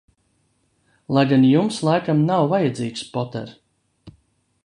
Lai gan Jums laikam nav vajadzīgs, Poter?